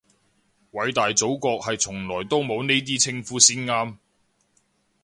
偉大祖國係從來都冇呢啲稱呼先啱